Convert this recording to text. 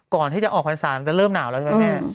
ก่อนที่จะออกวันศาลจะเริ่มหนาวแล้วใช่ปะแม่